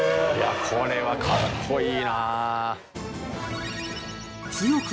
これはかっこいいなあ。